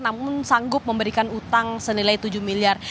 namun sanggup memberikan utang senilai tujuh miliar